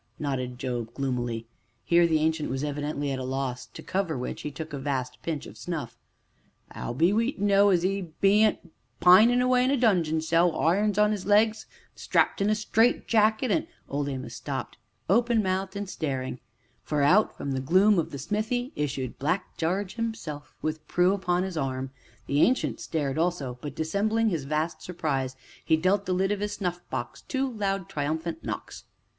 nodded Job gloomily. Here the Ancient was evidently at a loss, to cover which, he took a vast pinch of snuff. "'Ow be we to know as 'e bean't pinin' away in a dungeon cell wi' irons on 'is legs, an' strapped in a straitjacket an " Old Amos stopped, open mouthed and staring, for out from the gloom of the smithy issued Black George himself, with Prue upon his arm. The Ancient stared also, but, dissembling his vast surprise, he dealt the lid of his snuffbox two loud, triumphant knocks.